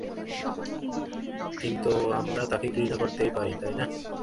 কিন্তু আমরা তাকে ঘৃণা করতেই পারি, তাই না?